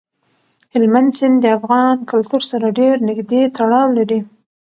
هلمند سیند د افغان کلتور سره ډېر نږدې تړاو لري.